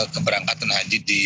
keberangkatan haji di